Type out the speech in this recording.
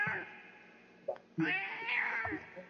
باقي اووہ روي مرزو ھي